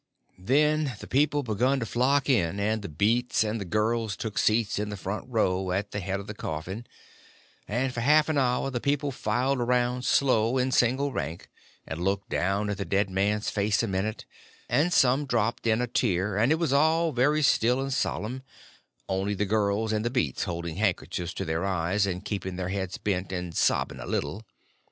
Then the people begun to flock in, and the beats and the girls took seats in the front row at the head of the coffin, and for a half an hour the people filed around slow, in single rank, and looked down at the dead man's face a minute, and some dropped in a tear, and it was all very still and solemn, only the girls and the beats holding handkerchiefs to their eyes and keeping their heads bent, and sobbing a little.